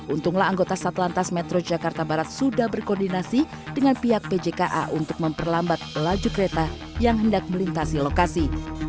untunglah anggota satlantas metro jakarta barat sudah berkoordinasi dengan pihak pjka untuk memperlambat laju kereta yang hendak melintasi lokasi